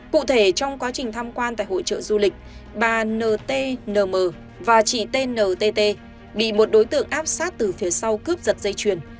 cụ thể trong quá trình tham quan tại hội trợ du lịch bà ntn và chị tntt bị một đối tượng áp sát từ phía sau cướp giật dây chuyền